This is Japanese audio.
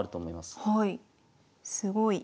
すごい。